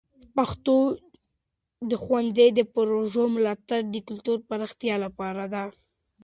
پښتو د ښونځي د پروژو ملاتړ د کلتور د پراختیا لپاره ده.